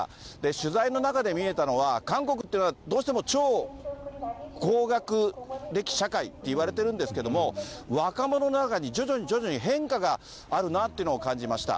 取材の中で見えたのは、韓国っていうのは、どうしても超高学歴社会っていわれているんですけれども、若者の中に徐々に徐々に変化があるなっていうのを感じました。